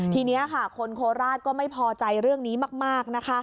ทีนี้ค่ะคนโคราชก็ไม่พอใจเรื่องนี้มากนะคะ